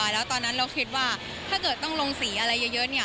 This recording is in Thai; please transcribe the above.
แล้วตอนนั้นเราคิดว่าถ้าเกิดต้องลงสีอะไรเยอะเนี่ย